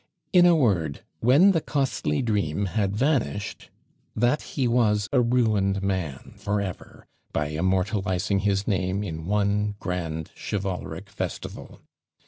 in a word, when the costly dream had vanished, that he was a ruined man for ever, by immortalising his name in one grand chivalric festival!